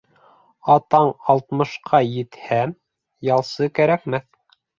Атаң алтмышҡа етһә, ялсы кәрәкмәҫ